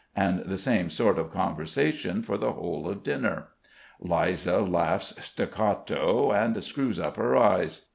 and the same sort of conversation for the whole of dinner. Liza laughs staccato and screws up her eyes.